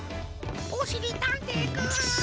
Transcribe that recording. おしりたんていくん。